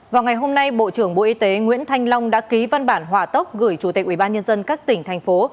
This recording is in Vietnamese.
vào ngày hôm nay bộ trưởng bộ y tế nguyễn thanh long đã ký văn bản hòa tốc gửi chủ tịch ubnd các tỉnh thành phố